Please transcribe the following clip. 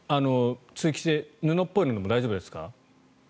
通気性布っぽいのも大丈夫ですか？